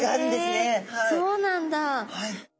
へえそうなんだ。